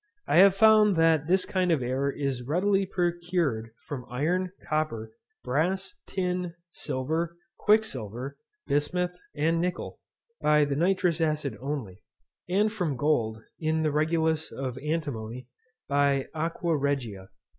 I have found that this kind of air is readily procured from iron, copper, brass, tin, silver, quicksilver, bismuth, and nickel, by the nitrous acid only, and from gold and the regulus of antimony by aqua regia.